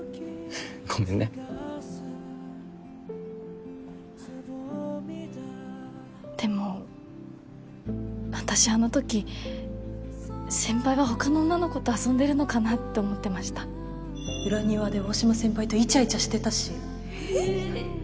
ごめんねでも私あのとき先輩は他の女の子と遊んでるのかなって思ってました裏庭で大島先輩とイチャイチャしてたし